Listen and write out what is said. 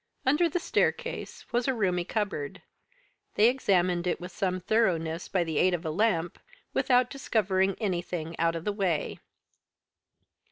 Under the staircase was a roomy cupboard. They examined it with some thoroughness, by the aid of a lamp, without discovering anything out of the way.